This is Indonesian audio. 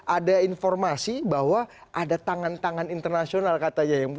ada informasi bahwa ada tangan tangan internasional katanya ya